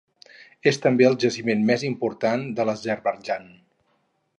És també el jaciment més important de l'Azerbaidjan.